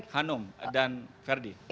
hanum dan ferdi